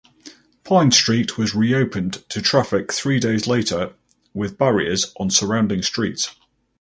Pine Street was reopened to traffic three days later with barriers on surrounding streets.